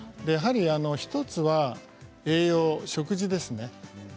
やはり１つは、栄養食事ですね。